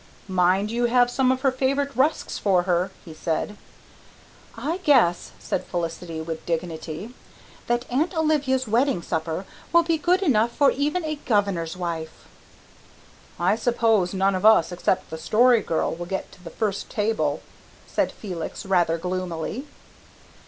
"Mind you have some of her favourite rusks for her," he said. "I guess," said Felicity with dignity, "that Aunt Olivia's wedding supper will be good enough for even a Governor's wife." "I s'pose none of us except the Story Girl will get to the first table," said Felix, rather gloomily.